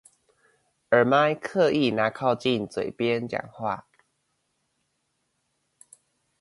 耳麥刻意拿靠近嘴邊講話